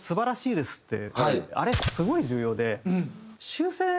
あれすごい重要で。